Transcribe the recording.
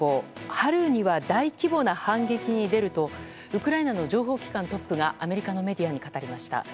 春には大規模な反撃に出るとウクライナの情報機関トップがアメリカのメディアに語りました。